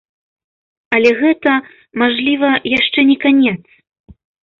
Але гэта, мажліва, яшчэ не канец.